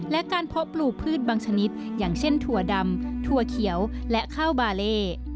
และการเพาะปลูกพืชบางชนิดอย่างเช่นถั่วดำถั่วเขียวและข้าวบาเล่